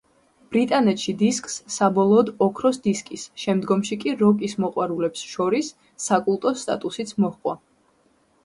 ბრიტანეთში დისკს საბოლოოდ ოქროს დისკის, შემდგომში კი, როკის მოყვარულებს შორის საკულტო სტატუსიც მოჰყვა.